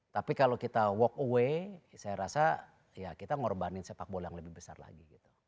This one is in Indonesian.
tapi kalau kita walk away saya rasa ya kita ngorbanin sepak bola yang lebih besar lagi gitu